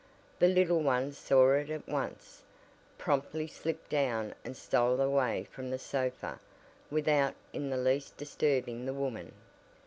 The little one saw it at once, promptly slipped down and stole away from the sofa without in the least disturbing the woman.